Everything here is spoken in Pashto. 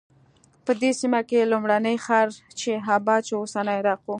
په دې سیمه کې لومړنی ښار چې اباد شو اوسنی عراق و.